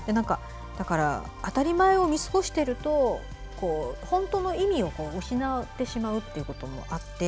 当たり前を見過ごしていると本当の意味を失ってしまうということもあって。